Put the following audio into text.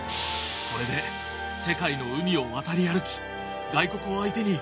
これで世界の海を渡り歩き外国を相手に自由に仕事できる。